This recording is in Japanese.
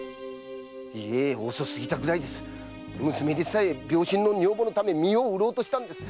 娘でさえ病身の女房のため身を売ろうとしたんです。